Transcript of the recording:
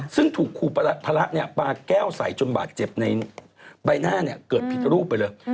ซึ่งถูกครูพระปาแก้วใส่จนบาดเจ็บในใบหน้าเกิดผิดรูปไปเลย